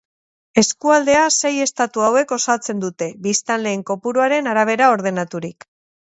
Eskualdea sei estatu hauek osatzen dute, biztanleen kopuruaren arabera ordenaturik.